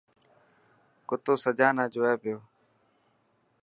ڪتو سجانا جوئي پيو.